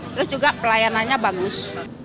terus juga pelayanannya bagus